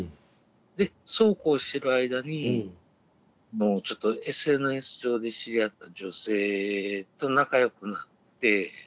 でそうこうしてる間にＳＮＳ上で知り合った女性と仲良くなって。